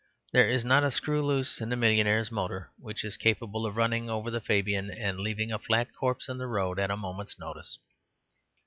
There is not a screw loose in the millionaire's motor, which is capable of running over the Fabian and leaving him a flat corpse in the road at a moment's notice.